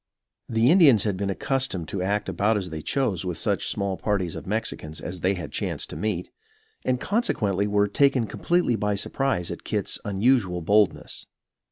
The Indians had been accustomed to act about as they chose with such small parties of Mexicans as they chanced to meet, and consequently were taken completely by surprise at Kit's unusual boldness.